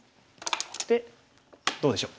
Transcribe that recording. でどうでしょう？